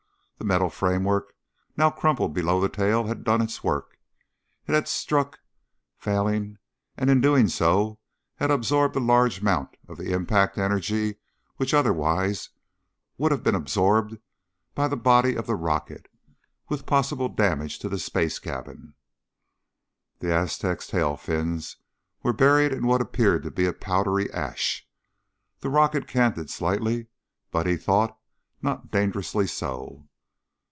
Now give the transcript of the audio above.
The metal framework now crumpled below the tail had done its work. It had struck, failing, and in doing so had absorbed a large amount of impact energy which otherwise would have been absorbed by the body of the rocket with possible damage to the space cabin. The Aztec's tail fins were buried in what appeared to be a powdery ash. The rocket was canted slightly but, he thought, not dangerously so.